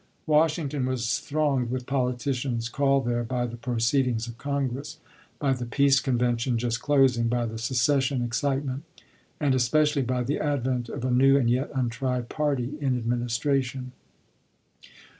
Washington was thronged with politicians, called there by the proceedings of Congress; by the lsei. Peace Convention, just closing; by the secession excitement ; and especially by the advent of a new and yet untried party in administration.